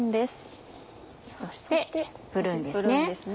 そしてプルーンですね。